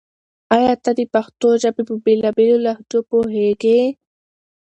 آیا ته د پښتو ژبې په بېلا بېلو لهجو پوهېږې؟